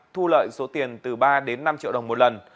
thu lợi số tiền từ ba đến năm triệu đồng một lần